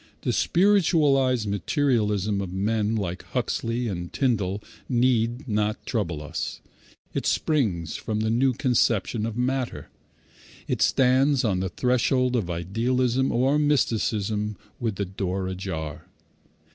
The spiritualized materialism of men like Huxley and Tyndall need not trouble us. It springs from the new conception of matter. It stands on the threshold of idealism or mysticism with the door ajar.